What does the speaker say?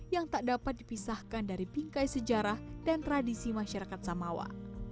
yang tak dapat dipisahkan dari bingkai sejarah dan tradisi masyarakat samawa